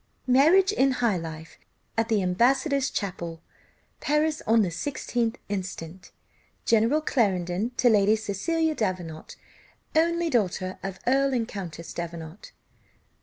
"Marriage in high life At the ambassador's chapel, Paris, on the 16th instant, General Clarendon to Lady Cecilia Davenant, only daughter of Earl and Countess Davenant."